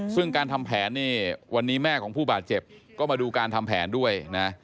ซึ่งการทำแผนเนี่ยวันนี้แม่ของผู้บาดเจ็บก็มาดูการทำแผนด้วยนะ